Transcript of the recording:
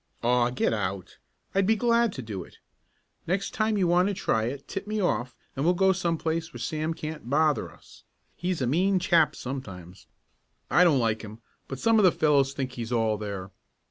"Aw, get out. I'd be glad to do it. Next time you want to try it tip me off and we'll go some place where Sam can't bother us. He's a mean chap sometimes. I don't like him, but some of the fellows think he's all there.